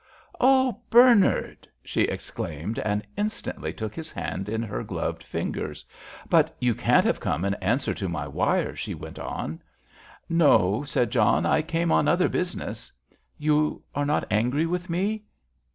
"Oh, Bernard," she exclaimed, and instantly took his hand in her gloved fingers. "But you can't have come in answer to my wire?" she went on. "No," said John; "I came on other business." "You are not angry with me?"